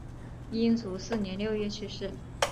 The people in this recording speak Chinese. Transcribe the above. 英祖四年六月去世。